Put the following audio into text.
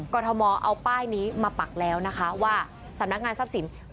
กรทมเอาป้ายนี้มาปักแล้วนะคะว่าสำนักงานทรัพย์สิน